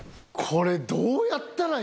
これどうやったら。